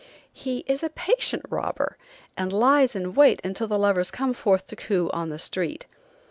He is a patient robber, and lies in wait until the lovers come forth to coo on the street.